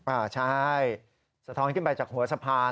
อ่าใช่สะท้อนขึ้นไปจากหัวสะพาน